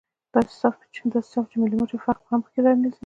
داسې صاف چې ملي مټر فرق هم پکښې نه رځي.